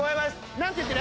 なんて言ってる？